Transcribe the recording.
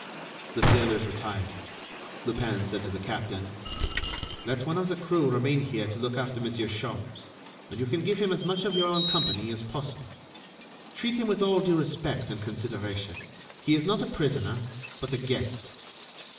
The sailors retired. Lupin said to the captain: "Let one of the crew remain here to look after Monsieur Sholmes, and you can give him as much of your own company as possible. Treat him with all due respect and consideration. He is not a prisoner, but a guest.